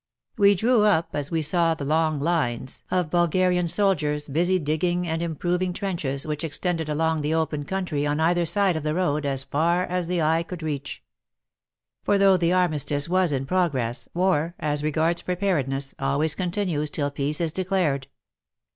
We drew up as we saw long lines of Bulgarian WAR AND WOMEN 199 soldiers busy digging and improving trenches which extended along the open country on either side of the road as far as the eye could reach. For though the armistice was in pro gress, war — as regards preparedness — always continues till peace is declared.